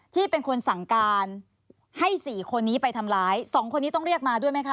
ที่เป็นคนสั่งการให้๔คนนี้ไปทำร้ายสองคนนี้ต้องเรียกมาด้วยไหมคะ